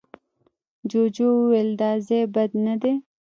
جوجو وويل، دا ځای بد نه دی.